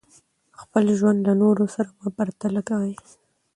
خپل ژوند له نورو سره مه پرتله کوئ.